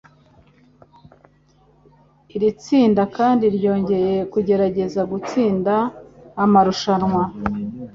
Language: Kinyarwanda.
Iri tsinda kandi ryongeye kugerageza gutsinda amarushanwa